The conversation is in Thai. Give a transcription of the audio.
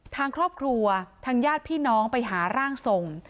ทางครอบครัวทางญาติพี่น้องไปหาร่างทรง